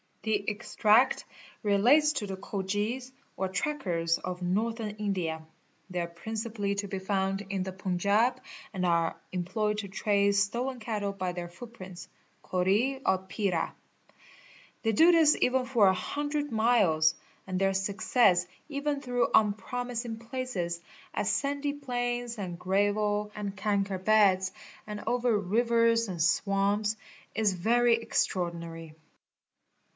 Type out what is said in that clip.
The extract — relates to the Khojies or trackers of Northern India. They are principally — to be found in the Panjab and are employed to trace stolen cattle by their — footprints (kori or pyra). They do this even for a hundred miles, and their — success, even through unpromising places, as sandy plains and gravel and kankar beds, and over rivers and swamps, is very extraordinary.